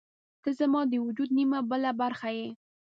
• ته زما د وجود نیمه بله برخه یې.